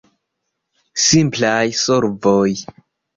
Simplaj solvoj!